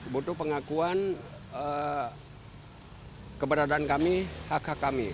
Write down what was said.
butuh pengakuan keberadaan kami hak hak kami